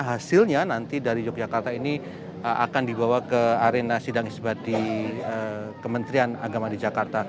hasilnya nanti dari yogyakarta ini akan dibawa ke arena sidang isbat di kementerian agama di jakarta